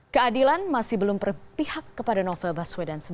keadilan masih belum berpihak kepada novel baswedan